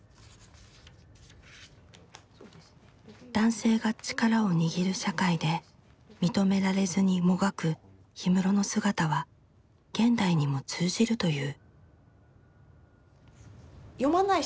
男性が力を握る社会で認められずにもがく氷室の姿は現代にも通じるという。